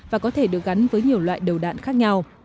và có thể được gắn với nhiều loại đầu đạn khác nhau